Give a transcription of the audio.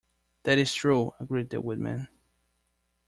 "That is true," agreed the Woodman.